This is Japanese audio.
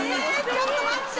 ちょっと待って！